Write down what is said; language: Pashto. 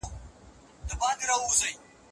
ولي هڅاند سړی د مخکښ سړي په پرتله موخي ترلاسه کوي؟